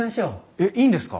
えっいいんですか？